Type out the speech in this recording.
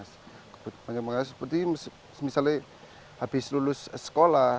semacam seperti misalnya habis lulus sekolah